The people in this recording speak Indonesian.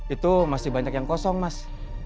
itu masih banyak yang kosong mas